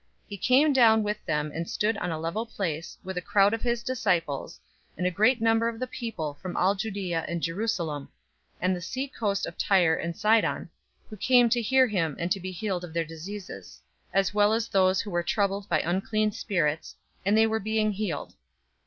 006:017 He came down with them, and stood on a level place, with a crowd of his disciples, and a great number of the people from all Judea and Jerusalem, and the sea coast of Tyre and Sidon, who came to hear him and to be healed of their diseases; 006:018 as well as those who were troubled by unclean spirits, and they were being healed.